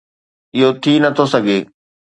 اهو ٿي نٿو سگهي.